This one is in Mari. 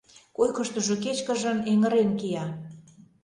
Койкыштыжо кечкыжын, эҥырен кия.